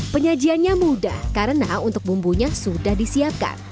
penyajiannya mudah karena untuk bumbunya sudah disiapkan